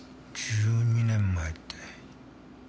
１２年前ってあっ！